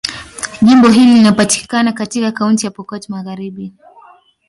Jimbo hili linapatikana katika Kaunti ya Pokot Magharibi.